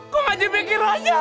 kong aji begini aja